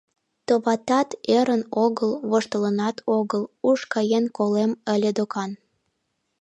Товатат, ӧрын огыл, воштылынат огыл, уш каен колем ыле докан...